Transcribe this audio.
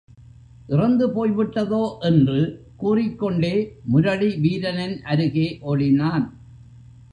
இறந்துபோய்விட்டதோ! என்று கூறிக்கொண்டே முரளி வீரனின் அருகே ஓடினான்.